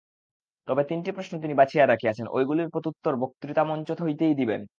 তবে তিনটি প্রশ্ন তিনি বাছিয়া রাখিয়াছেন, ঐগুলির প্রত্যুত্তর বক্তৃতামঞ্চ হইতেই দিবেন।